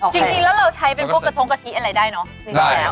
จริงแล้วเราใช้เป็นพวกกระทงกะทิอะไรได้เนอะจริงแล้ว